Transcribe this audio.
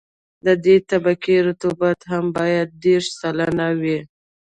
د دې طبقې رطوبت هم باید دېرش سلنه وي